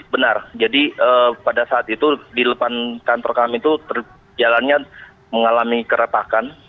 benar jadi pada saat itu di depan kantor kami itu jalannya mengalami keretakan